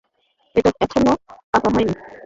এটা এখনো পাতা হয়নি, এই দুই জায়গা দিয়ে স্ফুলিঙ্গ বের হবে।